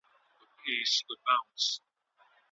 ایا حضوري ټولګي د آنلاین زده کړو څخه ډیر ګټور دي؟